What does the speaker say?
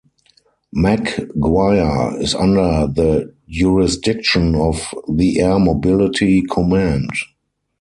McGuire is under the jurisdiction of the Air Mobility Command.